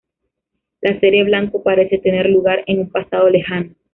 La serie "Blanco" parece tener lugar en un pasado lejano.